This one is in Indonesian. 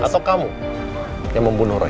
atau kamu yang membunuh roy